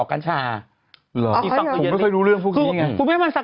กันชาอยู่ในนี้